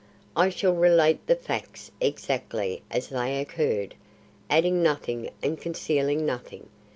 "I shall relate the facts exactly as they occurred, adding nothing and concealing nothing.